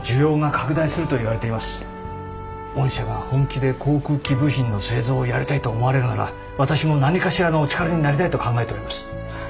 御社が本気で航空機部品の製造をやりたいと思われるなら私も何かしらのお力になりたいと考えております。